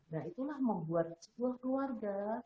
nah itulah membuat sebuah keluarga